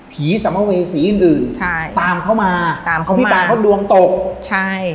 ผีสมเวสีอื่นอื่นใช่ตามเขามาตามเขามาเอาพี่ปาเขาดวงตกใช่